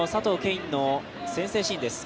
允の先制シーンです。